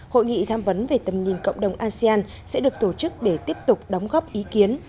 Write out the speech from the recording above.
hội nghị tham vấn về tầm nhìn cộng đồng asean sẽ được tổ chức để tiếp tục đóng góp ý kiến